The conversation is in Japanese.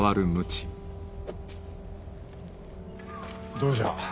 どうじゃ？